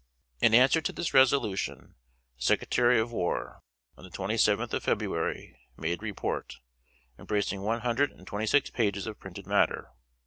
In answer to this resolution, the Secretary of War, on the twenty seventh of February, made report, embracing one hundred and twenty six pages of printed matter.